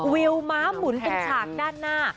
วิวม้าหมุนตรงฉากด้านหน้า